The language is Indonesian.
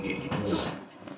jangan lupa sama dia